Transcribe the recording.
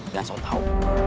gak usah lo tau